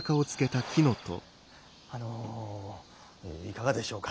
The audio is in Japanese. あのいかがでしょうか？